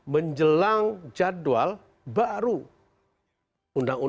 menjelang jadwal baru